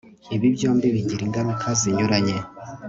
Ibi byombi bigira ingaruka zinyuranye